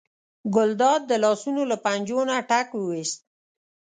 ګلداد د لاسونو له پنجو نه ټک وویست.